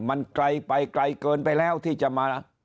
มันไกลไปไกลเกินไปแล้วที่จะมา